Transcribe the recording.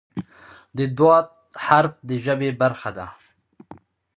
د "ض" حرف د ژبې برخه ده.